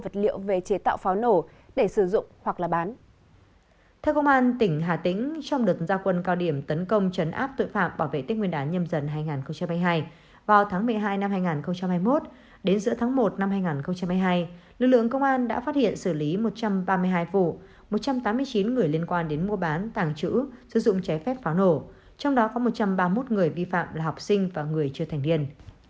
theo công an tỉnh hà tĩnh trong đợt gia quân cao điểm tấn công trấn áp tội phạm bảo vệ tích nguyên đán nhầm dần hai nghìn hai mươi hai vào tháng một mươi hai năm hai nghìn hai mươi một đến giữa tháng một năm hai nghìn hai mươi hai lực lượng công an đã phát hiện xử lý một trăm ba mươi hai vụ một trăm tám mươi chín người liên quan đến mua bán tàng trữ sử dụng trái phép pháo nổ trong đó có một trăm ba mươi một người vi phạm là học sinh và người chưa thành niên